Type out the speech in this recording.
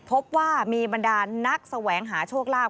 พบว่ามีบรรดานนักแสวงหาโชคลาภ